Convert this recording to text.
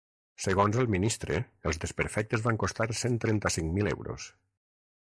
Segons el ministre, els desperfectes van costar cent trenta-cinc mil euros.